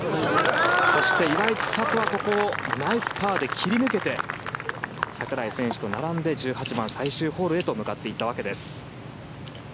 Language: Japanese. そして岩井千怜はここをナイスパーで切り抜けて櫻井選手と並んで１８番、最終ホールへと向かっていったわけです。